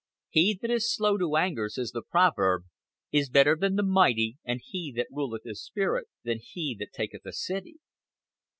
"He that is slow to anger," says the proverb, "is better than the mighty, and he that ruleth his spirit than he that taketh a city."